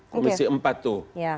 komisi empat itu